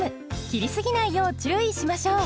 切りすぎないよう注意しましょう。